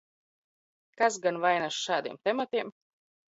Kas gan vainas šādiem tematiem?